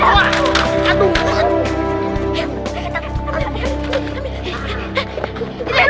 allah o seperti